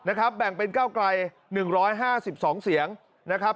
แบ่งเป็นเก้าไกล๑๕๒เสียงนะครับ